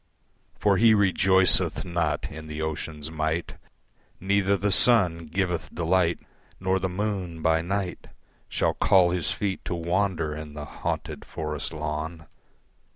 For he rejoiceth not in the ocean's might, Neither the sun giveth delight, Nor the moon by night Shall call his feet to wander in the haunted forest lawn.